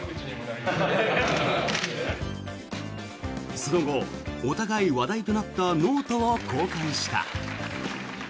その後、お互い話題になったノートを交換した。